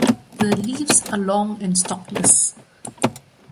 The leaves are long and stalkless.